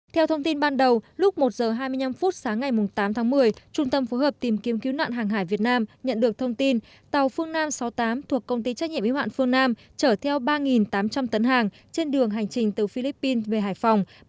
theo thông tin ban đầu lúc một h hai mươi năm sáng ngày tám tháng một mươi trung tâm phối hợp tìm kiếm cứu nạn hàng hải việt nam nhận được thông tin tàu phương nam sáu mươi tám thuộc công ty trách nhiệm y hoạn phương nam chở theo ba tám trăm linh tấn hàng trên đường hành trình từ philippines về hải phòng